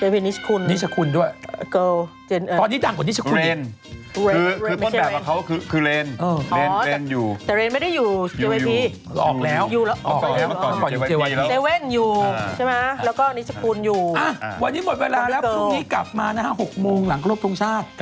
ไม่ใช่กวนสุดฤทธิ์